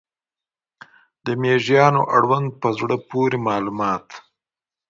د مېږیانو اړوند په زړه پورې معلومات